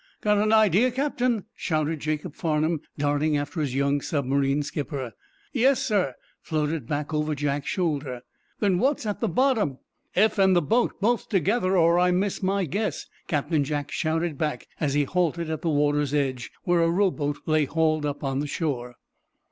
"Got an idea, Captain?" shouted Jacob Farnum, darting after his young submarine skipper. "Yes, sir!" floated back over Jack's shoulder. "Then what's at the bottom—" "Eph and the boat, both together, or I miss my guess," Captain Jack shouted back as he halted at the water's edge, where a rowboat lay hauled up on the shore.